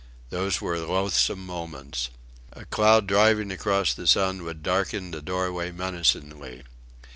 Those were loathsome moments. A cloud driving across the sun would darken the doorway menacingly.